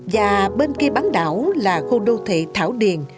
và bên kia bán đảo là khu đô thị thảo điền